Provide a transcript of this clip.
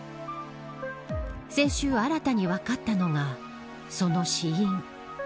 先週、新たに分かったのがその死因。